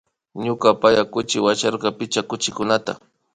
Ñuka paya kuchi wacharka picha kuchikukunata